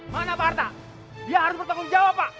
mana pak harta dia harus bertanggung jawab pak